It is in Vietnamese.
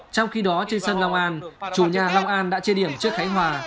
trong khi đó trên sân long an chủ nhà long an đã chê điểm trước khánh hòa